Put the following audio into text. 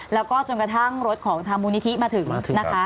แล้วก็จนกระทั่งรถของทางมูลนิธิมาถึงนะคะ